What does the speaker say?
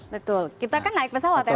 betul kita kan naik pesawat ya